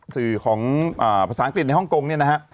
สื่อของภาษาอังกฤษในฮ่องกงเนี่ยนะฮะ